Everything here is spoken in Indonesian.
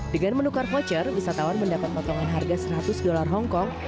dengan menukar voucher wisatawan mendapat potongan harga seratus dolar hongkong